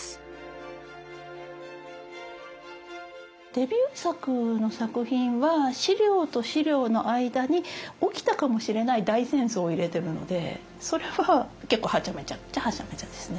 デビュー作の作品は資料と資料の間に起きたかもしれない大戦争を入れてるのでそれは結構はちゃめちゃっちゃはちゃめちゃですね。